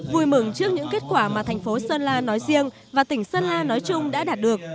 vui mừng trước những kết quả mà thành phố sơn la nói riêng và tỉnh sơn la nói chung đã đạt được